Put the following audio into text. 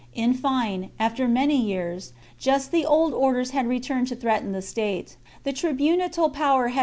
In fine, after many years, just the old disorders had returned CHAP, to threaten the state. The tribunitian power had XXXVIII.